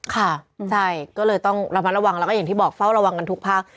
ค่ะใช่ก็เลยต้องระวังอย่างที่บอกให้เราก็เฝ้าระวังทุกภาค